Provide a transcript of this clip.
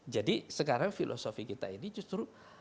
jadi sekarang filosofi kita ini justru